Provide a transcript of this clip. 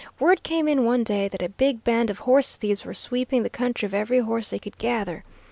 Word came in one day that a big band of horse thieves were sweeping the country of every horse they could gather.